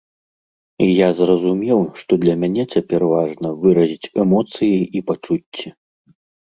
І я зразумеў, што для мяне цяпер важна выразіць эмоцыі і пачуцці.